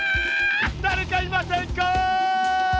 だれかいませんか！